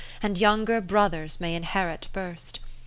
And younger brothers may inherit first.